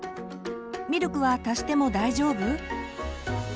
「ミルクは足しても大丈夫？」。